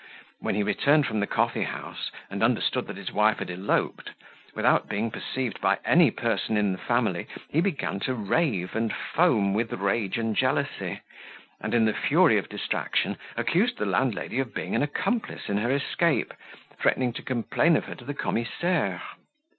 When he returned from the coffee house, and understood that his wife had eloped, without being perceived by any person in the family, he began to rave and foam with rage and jealousy; and, in the fury of distraction, accused the landlady of being an accomplice in her escape, threatening to complain of her to the commissaire.